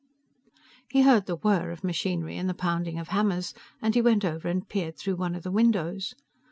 He heard the whir of machinery and the pounding of hammers, and he went over and peered through one of the windows.